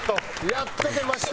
やっと出ました。